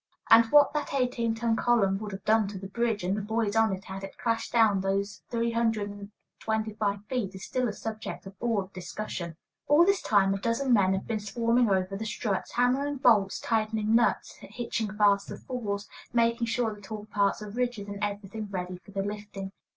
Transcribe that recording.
And what that eighteen ton column would have done to the bridge, and the boys on it, had it crashed down those three hundred and twenty five feet, is still a subject of awed discussion. All this time a dozen men have been swarming over the strut, hammering bolts, tightening nuts, hitching fast the "falls," making sure that all parts are rigid and everything ready for the lifting.